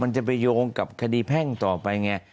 จะไปโยงกับคดีแพ่งต่อไปไง